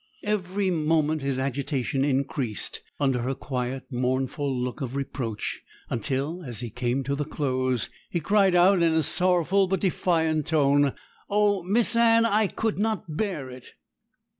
Every moment his agitation increased under her quiet, mournful look of reproach, until, as he came to the close, he cried out in a sorrowful but defiant tone, 'Oh, Miss Anne, I could not bear it!'